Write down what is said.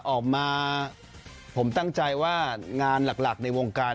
ออกมาผมตั้งใจว่างานหลักในวงการ